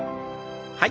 はい。